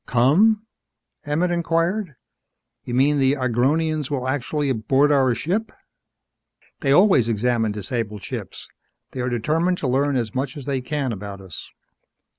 "Come?" Emmett inquired. "You mean that the Agronians will actually board our ship?" "They always examine disabled ships. They are determined to learn as much as they can about us."